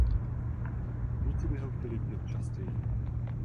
Kluci by ho chtěli vidět častěji.